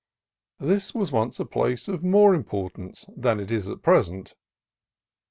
This was once a place of more importance than it is at present.